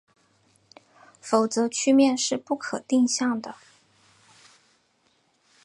否则曲面是不可定向的。